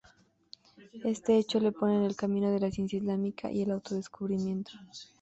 Este hecho le pone en el camino de la Ciencia Islámica y del autodescubrimiento.